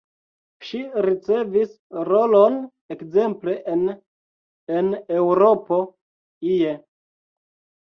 Ŝi ricevis rolon ekzemple en En Eŭropo ie.